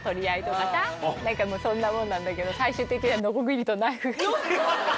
何かもうそんなもんなんだけど最終的にはノコギリとナイフ。